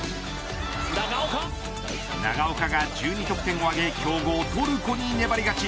長岡が１２得点を挙げ強豪トルコに粘り勝ち。